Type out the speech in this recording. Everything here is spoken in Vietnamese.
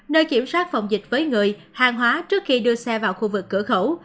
nơi kiểm soát phòng dịch với người hàng hóa trước khi đưa xe vào khu vực cửa khẩu